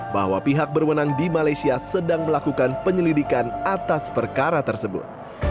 bahwa pihak berwenang di malaysia sedang melakukan penyelidikan atas perkara tersebut